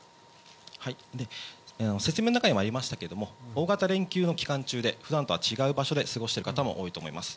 説明の中にもありましたけども、大型連休の期間中で、ふだんとは違う場所で過ごしている方も多いと思います。